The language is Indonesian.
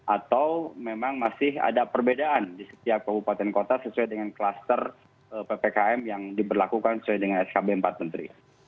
atau memang masih ada perbedaan di setiap kabupaten kota sesuai dengan kluster ppkm yang diberlakukan sesuai dengan skb empat menteri